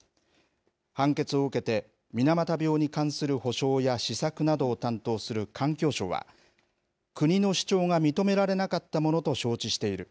判決を受けて、水俣病に関する補償や施策などを担当する環境省は、国の主張が認められなかったものと承知している。